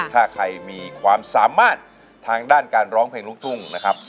ถ้าใครมีความสามารถทางด้านการร้องเพลงลูกทุ่งนะครับ